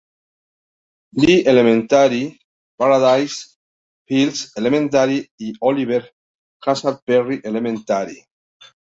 Lee Elementary, Paradise Hills Elementary y Oliver Hazard Perry Elementary.